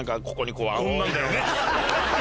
こんなんだよね。